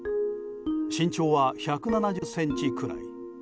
身長は１７０ｃｍくらい。